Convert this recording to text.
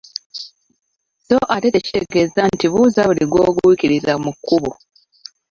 So ate tekitegeeza nti buuza buli gw’ogwikiriza mu kkubo.